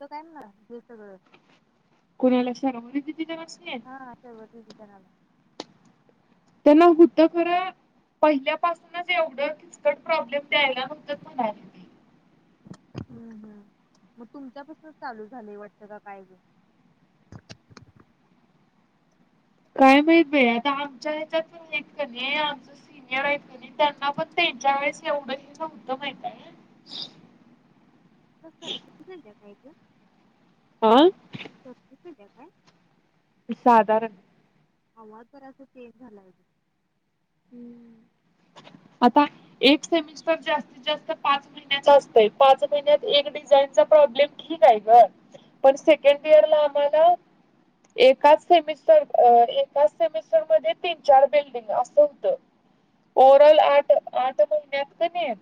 तो काय नाही कोणाला विचारलं मी बी हां [unintelligible] त्यांना हुतं खरं पहिल्यापासूनच एवढं किचकट प्रॉब्लेम द्यायला नव्हतत म्हणाली ती. हम्म हम्म मग तुमच्यापासनच चालू झालंय वाटतं का काय गं? काय माहित बाई, आता आमच्या ह्याच्यात पण नीट क नाही सिनियर आहेत क नाही त्यांना पण त्यांच्यावेळेस एवढं हे नव्हतं माहिताय? तुला सर्दी झाल्या काय? ग? अ सर्दी झाल्या काय? साधारण. आवाज जरासं चेंज झालाय अगं. हम्म. आता एक सेमिस्टर जास्तीत जास्त पाच महिन्याचा असतोय पाच महिन्यात एक डिझाईनचा प्रॉब्लेम ठीक आहे गं, पण सेकंड इयरला मला एकाच सेमिस्टर अ एकाच सेमिस्टरमध्ये तीन चार बिल्डिंग असं होतं ओवरऑल आठ आठ महिन्यात क नाई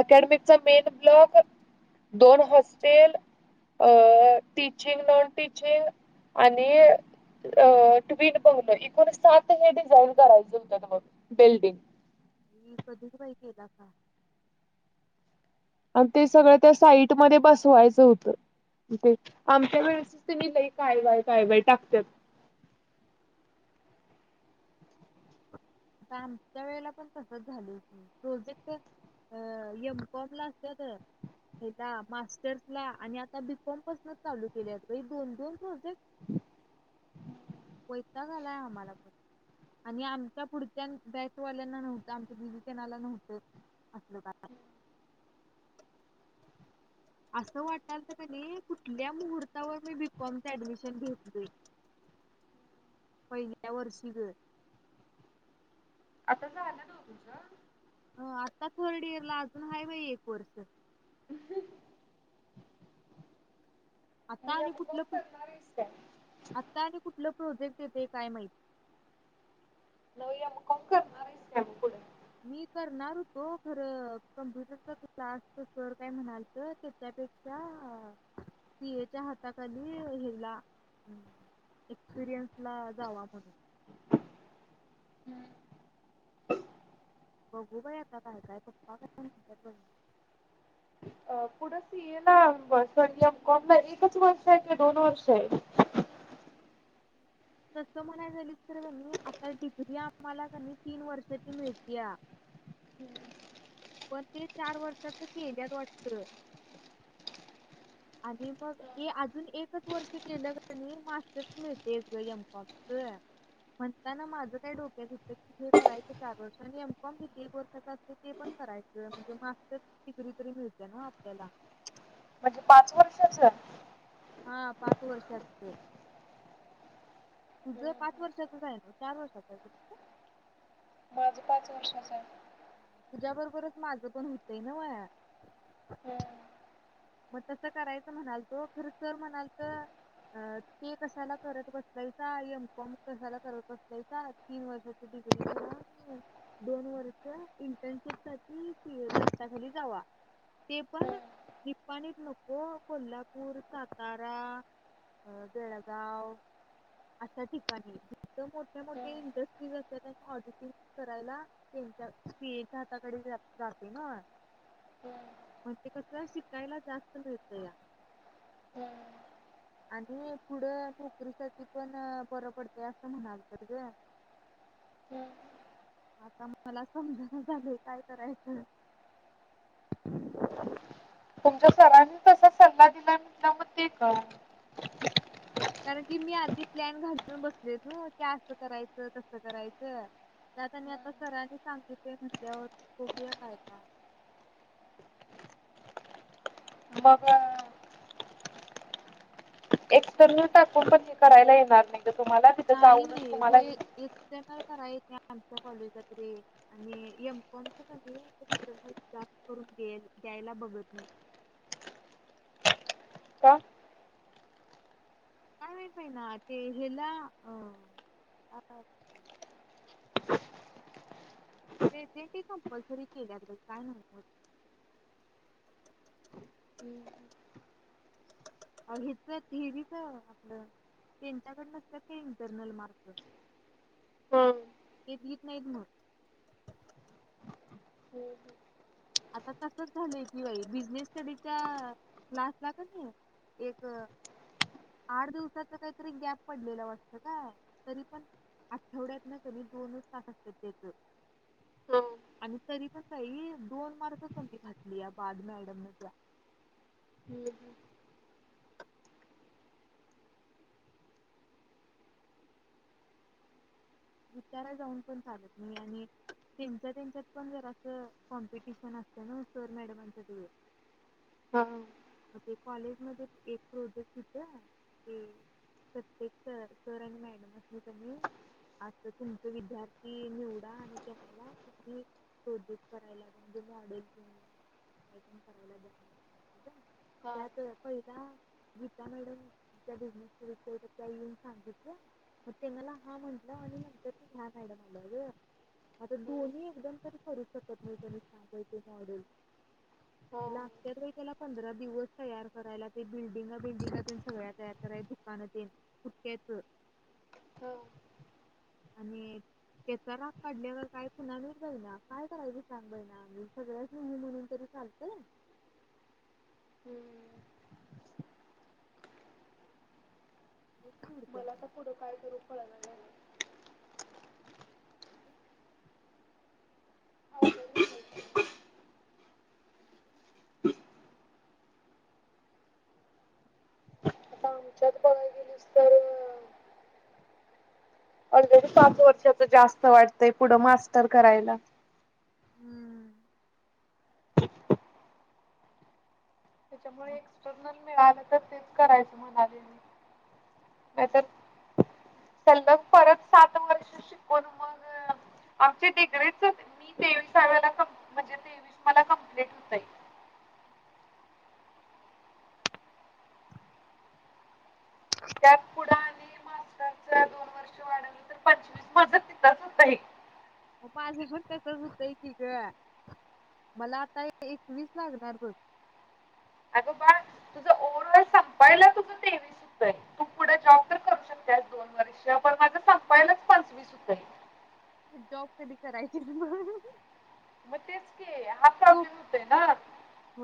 अकॅडमिक च मेन ब्लॉक दोन हॉस्टेल अ टीचिंग, नॉन टीचिंग आणि अ [unintelligible] एकूण सात हे डिझाईन करायचं होतत बघ बिल्डिंग. [unintelligible] कधीच बाई केला का? आणि ते सगळं त्या साईटमध्ये बसवायचं होतं ते आमच्या वेळेसच तेनी लई काय बाय काय बाय टाकत्यात. आता आमच्या वेळेला पण तसंच झालं होतं प्रोजेक्ट अ एम कॉम ला असतात ह्याला मास्टर्सला आणि आता बी कॉम पासूनच चालू केल्यात बाई दोन दोन प्रोजेक्ट वै ताग आलाय आम्हाला पण आणि आमच्या पुढ च्या बॅकवाल्यांना नव्हतं, आमच्या दिदी त्यांनाला नव्हतं असलं काय. असं वाटालतं क नाही कुठल्या मुहूर्तावर मी बी कॉमचं ऍडमिशन घेतलोय? पहिल्या वर्षी गं. आता झालं नव्हं तुझं? हं आता थर्ड इयरला अजून आहे बाई एक वर्ष. आता आणि एम कॉम कुठलं [unintelligible] करणार आहेस काय आता आणि कुठलं प्रोजेक्ट येतंय काय माहित? नव्हं एम कॉम करणार आहेस काय आणि पुढं? मी करणार होतो खरं कम्प्युटरच्या क्लासचं सर काय म्हणालतं त्याच्यापेक्षा सी एच्या हाताखाली ह्याला अम्म एक्सपिरियन्सला जावा म्हणून. बघू बाई आता काय काय पप्पा काय म्हणत्यात बघू. अ पुढं सी एला सॉरी एमकॉमला एकच वर्ष आहे काय दोन वर्ष आहे? तसं म्हणाय झालीस तर क नाही, आता डिग्री आम्हाला क नाही तीन वर्षाची मिळत्या, पण ते चार वर्षाच केल्यात वाटतं आणि मग ये अजून एकच वर्ष केलं क नाही मास्टर्स मिळतंयच. गं एमकॉमचं. म्हणताना माझं काय डोक्यात होतं की हे करायचं चार वर्ष आणि एमकॉम किती एक वर्षाचा असतोय ते पण करायचं म्हणजे मास्टर्स डिग्री तरी मिळत्या नव्हं आपल्याला. म्हणजे पाच वर्षाच? हां पाच वर्षाच तुझं पाच वर्षाचच आहे नव्हं? चार वर्षाच आहे काय तुझं? माझं पाच वर्षाच आहे. तुझ्या बरोबरच माझं पण हुतंय नव्हं. मग तसं करायचं म्हणालतो खरं सर म्हणालतं अ ते कशाला करत बसलायसा? एमकॉम कशाला करत बसलायसा तीन वर्षाच्या डिग्री करा आणि दोन वर्ष इ ट्रनशीपसाठी हाताखाली जावा. ते पण [unintelligible] निपाणीत नको कोल्हापूर, सातारा, बेळगाव अशा ठिकाणी. त मोठ्या मोठ्या इंडस्ट्रीज असत्यात ऑडिटिंग करायला त्यांच्या सी एच्या हाताखाली जातोय नव्हं म्हणजे क स शिकायला जास्त मिळतया. हम्म आणि पुढं नोकरीसाठी पण बरं पडते असं म्हणालतत ग हम्म आता मला समजना झालंय काय करायचं तुमच्या सरांनी तसा सल्ला दिलाय म्हटल्यावर मग ते कर कारण की मी आधी प्लॅन घालून बसलोय ना की असं करायचं तसं करायचं त्यात आणि आता सरांनी सांगित म्हटल्यावर बघुया काय का मग एक तरुण टाकून पण हे करायला येणार नाही तुम्हाला तिथ जाऊनच नाही तुम्हालाही होय एक्सटर्नल कराय येत नाही आमच्या कॉलेजात रे आणि एमकमच करून द्यायला बघत नाहीत का काय माहीत ना ते हला अ प्रेजन्टी कम्पल्सरी केल्याल्यात बाई काय नव्हच हम्म अ हिच वीच आपलं त्यांच्याकडून तर असतात इंटरनल मार्क हो ते दित नाहीत मग आता तसच झालंय कि बाई बिजनेस स्टडीच्या क्लासला कणी एक आठ दिवसाच काहीतरी गॅप पडलेलं वाटतं काय तरी पण आठवड्यात न कणी दोनच तास असत त्याच हा आणि तरी पण काही दोन मार्क कमी घातली या बाद मॅडमने त्या हम्म हम्म विचाराय जाऊन पण चालत नाही आणि त्यांच्या त्यांच्यात पण जरा अस कॉम्पिटिशन असतं ना सर मॅडमांच्यात हो कॉलेज मध्ये एक प्रोजेक्ट होत ते प्रत्येक सर सर आणि मॅडमांसनी कनी तर तुमचे विद्यार्थी निवडा आणि त्यांनाला तुम्ही शोध करायला म्हणजे वाढेल किंवा काय पण करायला जा सांग यात पहिला गीता मॅडम त्या बिझनेस स्टडीच्या त्या येऊन सांगितलं मग ते मला हा म्हटलं आणि म्ह ह्या मॅडम आल्या गं आता दोन्ही एकदम तर करू शकत नाही कुणी सांगा बाई मॉडेल हा लागत्यात बाई त्याला पंधरा दिवस तयार करायला ते बिल्डिंगा बिल्डिंगा तेन सगळ्या तयार कराय दुकान तेन पुठ्ठ्याच हो आणि त्याचा राग काढल्या का काय कुन्हा माहित बईना काय करायच सांग बईना आम्ही सगळ्याच हु म्हणून तरी चालतय हम्म उडत्या मला तर मॅडम पुढं काय करू कळना झालय [inaudible] [unintelligible] आता आमच्यात बघायला गेलीस तर ऑलरेडी पाच वर्षाच जास्त वाटतंय पुढं मास्टर करायला हम्म तेच्यामुळे मग एक्सटर्नल मिळाल तर तेच करायच म्हणालोय मि नाही तर सलग परत सात वर्ष शिकून मग आमची डिग्रीच मी तेवीसाव्याला म्हणजे तेवीस मला कमप्लीट होतय त्यात पुढ आणि मास्टरच दोन वर्ष वाढवलं तर पंचवीस मज तिथंच हुतय माझं पण तसंच हुतय की गं मला आता एकवीस लागणार बघ. अगं बाळ तुझं ओव्हरऑल संपायला तुझं तेवीस हुतय तू पुढं जॉब तर करू शकत्यास दोन वर्ष पण माझं संपायलाच पंचवीस हुतय. जॉब कधी करायची मी म? मग तेच की हाच प्रॉब्लेम होतोय ना.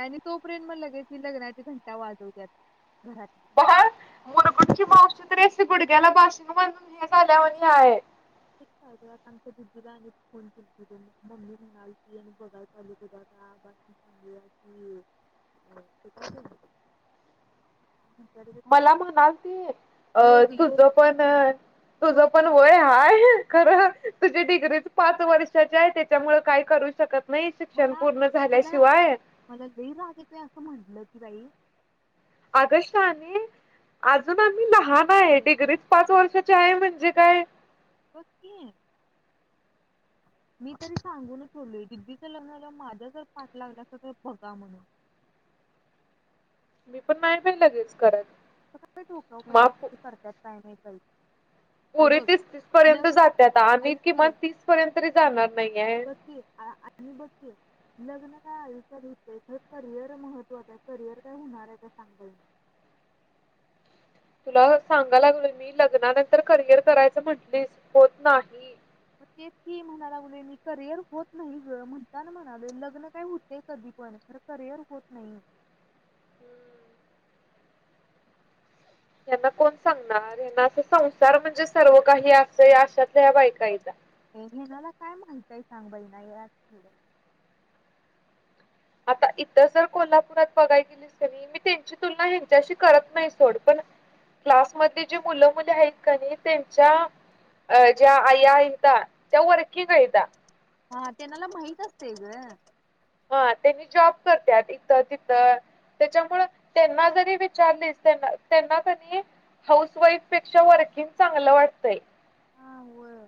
आणि तोपर्यंत मग लगेच लग्नाची घंटा वाजवत्यात घरात. बाळ मुलगुडची मावशी तरी अशी गुडग्याला बाशिंग बांधून हे झाल्यावानी हाय. [unintelligible] मला म्हणालती अ, योग तुझ योग पण तुझ योग पण वय हाय. खर तुझी डिग्रीच पाच वर्षाची आहे, त्येच्यामुळे काय करू शकत. नाही शिक्षण पूर्ण मला-मला झाल्याशिवाय मला लई राग येतोय असं म्हटलं की. जाई. आग शाहाने अजून, आम्ही लहानाय डिग्रीच पाच वर्षाची हाय म्हणजे काय. बग की मी तरी सांगून ठेवलोय दीदीच लग्न झाल्यावर माझ्या जर पाठ लागलासा तर बघा म्हणून. मी पण नाई बाई लगेच करत. तस काही डोक्यावर पडल्यास करत्यात काय माहीत. हो. पुरी तीस-तीस पर्यंत जात्यात आम्ही ऐक की किमान तीस पर्यंत तरी जाणार नाही हाय. बघ की आ- आणि बघ की लग्न काय आयुष्यात हुतयच, खरं करियर महत्त्वाचं करिअर काय होणार आहे का सांग बघू. तुला सांगा लागालोय मी लग्नानंतर करिअर करायचं म्हंटलीस होत नाही. मग तेच की म्हणा लागलोय मी, करियर होत नाही ग. म्हणताना म्हणालोय लग्न काय हुतय कधी पण खर करियर होत नाही. यांना कोण सांगणार यांना असं संसार म्हणजे सर्व काही असं आशातल्या बायका हाईता. हेनाला काय माहितय सांग बई ना हे असल. आता इथ जर कोल्हापुरात बघाय गेलीस कनी मी त्यांची तुलना ह्यांच्याशी करत नाही सोड पण, क्लास मधली जी मुलं-मुली आहेत, कनी त्यांच्या ज्या आईया आहेत, त्या वर्किंग आहेत. त्या हा तेनाला माहीत असतय गं. हा त्यांनी जॉब करत्यात इथ तिथ. त्येच्यामुळ त्यांना जरी विचारलीस त्यांना कणी हाऊस वाईफ पेक्षा वर्किंग चांगलं वाटतंय. हा होय.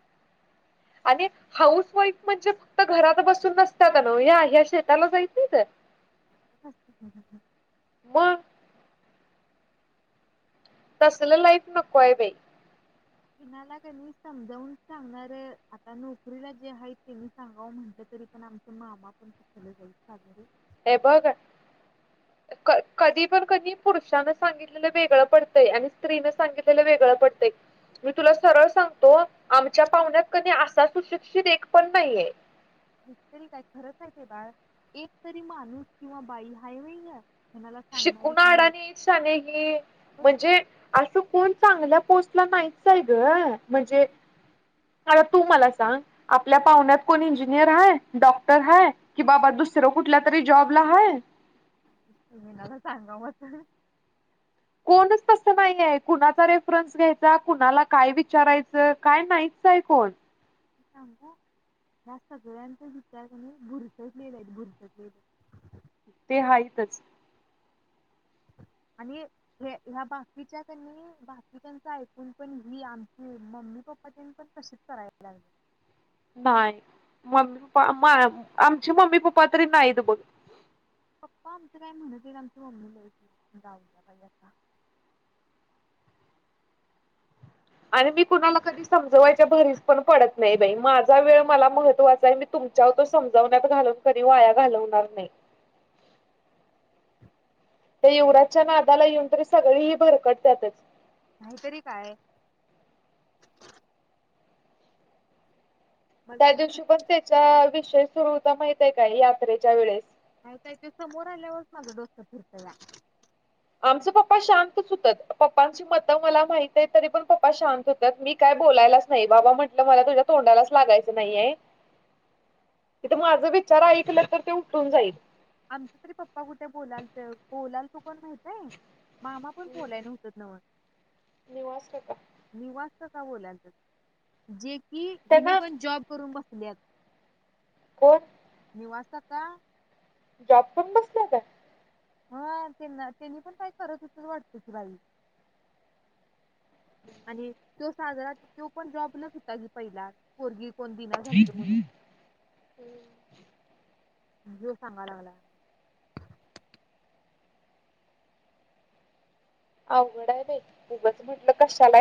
आणि हाऊस वाईफ म्हणजे फक्त घरात बसून नसत्याता नव ह्या, ह्या शेताला जईत नइत? मग [inaudible] तसल लाईफ नकोय बई. तेणाला कणी समजावून सांगणार, आता नोकरीला जे आहे तेनी सांगावं म्हंटलं तरी पण आमचा मामा पण तसलच [unintelligible] हे बघ कधी पण कधी पुरुषांन सांगितलेलं वेगळं पडतंय, आणि स्त्रीन सांगितलेलं वेगळं पडतंय. मी तुला सरळ सांगतो आमच्या पाहुण्यात कधी असा सुशिक्षित एक पण नाहीय. नई तरी काय खरंच आहे ते बाळ. एक तरी माणूस किंवा बाई हाय व्हय गं. शिकून आडाणी शाने ही, बघ म्हणजे असं कोण चांगल्या पोस्टला नाहीचाय ग. म्हणजे आता तू मला सांग आपल्या पाहुण्यात कोण इंजिनियर हाय, डॉक्टर हाय कि बाबा दुसरं कुठल्या तरी जॉबला हाय. कोणाला सांगावं आता. कोणच तस नाहीयाय. कुणाचा रेफरन्स घ्यायचा, कुणाला काय विचारायचं काय नाहीचाय कोण. सांगू या सगळ्यांचे विचार ना बुरसटलेलेत, बुरसटलेले. ते हाईतच. आणि ह्या बाकीच्या कणी बाकीच्याच ऐकून पण ही आमची मम्मी पप्पा तेनी पण तशीच करायला लागली. नाही. मम्मी पप्पा आमचे मम्मी पप्पा तरी नाहीत बघ. पप्पा आमचं काय म्हणत नईत. आमची मम्मी ल जाऊया बाई आता. आणि मी कुणाला कधी समजवायच्या भरीस पण पडत नाही बई. माझा वेळ मला महत्वाचाय, मी तुमच्या तो समजवण्यात घालून कधी वाया घालवणार नई. त्या यूवराजच्या नादाला येऊन तरी सगळी ही भरकटत्यातच. नाहीतरी काय. मला त्या तरी दिवशी पण त्याच्या बी विषय सुरु होता माहित आहे काय यात्रेच्या वेळेस. नाही काही दिवसमोर आल्यावरच मझा डोस्क फिरताला आमचं पप्पा शांतच होतात. पप्पांची मत मला माहित आहे तरी पण पप्पा शांत होतात मी काय बोलायलाच नाही बाबा म्हटलं मला तुझ्या तोंडालाच लागायचं नाहीय, तिथे माझ विचार ऐकलं तर ते उठून जाईल. आमचा तरी पप्पा कुठे बोलालत बोलालत तू कोण माहितय? मामा पण बोलाय नव्हत नव निवास टका बोलायला जीब की घेनी त्यांना पण जॉब करून बस ल्यात कोण? निवास काका. जॉब पण बसल्यात. हा त्यांना त्यांनी पण काय करत हुतीत वाटत की बाई. आणि तो साजरा त्यो पण जॉबलच होता की पहिल पोरगी. कोण दिना झालतं म्हणून काय? ह्यो सांगा लागलाय अवघड आहे बाई उगाच म्हणलं कशाला